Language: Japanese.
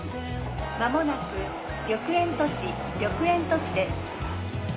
間もなく緑園都市緑園都市です。